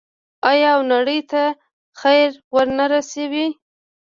آیا او نړۍ ته خیر ورنه رسوي؟